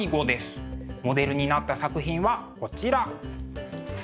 モデルになった作品はこちら。